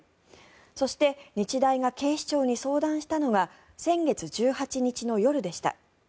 そして日大が警視庁に相談したのが先月１８日の夜でした。